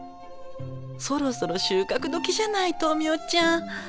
そろそろ収穫どきじゃない豆苗ちゃん！